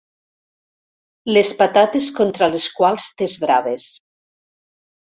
Les patates contra les quals t'esbraves.